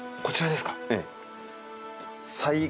こちらですか？